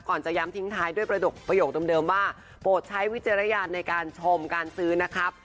จะย้ำทิ้งท้ายด้วยประโยคเดิมว่าโปรดใช้วิจารณญาณในการชมการซื้อนะครับ